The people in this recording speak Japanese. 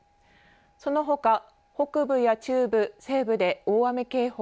そのほか北部や中部、西部で大雨警報。